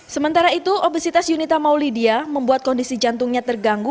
sementara itu obesitas yunita maulidia membuat kondisi jantungnya terganggu